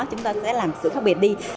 chúng ta sẽ làm sự khác biệt đi